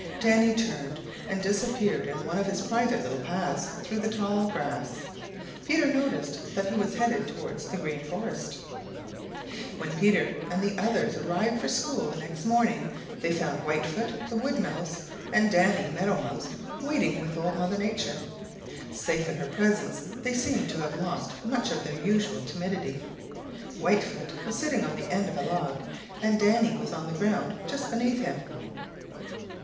Danny turned and disappeared in one of his private little paths though the tall grass. Peter noticed that he was headed towards the Green Forest. When Peter and the others arrived for school the next morning they found Whitefoot the Wood Mouse and Danny Meadow Mouse waiting with Old Mother Nature. Safe in her presence, they seemed to have lost much of their usual timidity. Whitefoot was sitting on the end of a log and Danny was on the ground just beneath him.